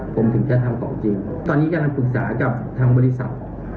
ผมถึงใช้เกาะจริงตอนนี้ขักพรึกษากับทางบริษัท